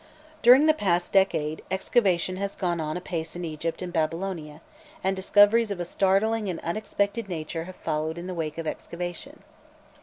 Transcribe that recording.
During the past decade, excavation has gone on apace in Egypt and Babylonia, and discoveries of a startling and unexpected nature have followed in the wake of excavation.